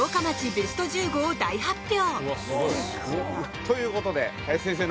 ベスト１５を大発表！